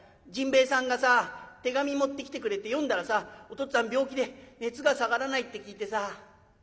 甚兵衛さんがさ手紙持ってきてくれて読んだらさお父っつぁん病気で熱が下がらないって聞いてさ。